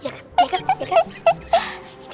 ya kan ya kan ya kan